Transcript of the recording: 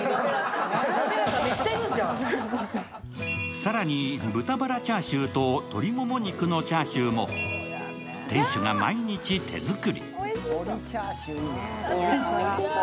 更に豚バラチャーシューと鶏もも肉のチャーシューも店主が毎日手作り。